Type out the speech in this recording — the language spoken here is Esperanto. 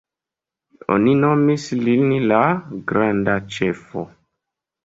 Oni nomis lin la »Granda Ĉefo«.